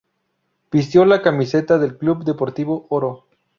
Vistió la camiseta del Club Deportivo Oro.